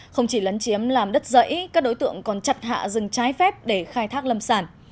không chỉ lấn chiếm làm đất dãy các đối tượng còn chặt hạ rừng trái phép để khai thác lâm sản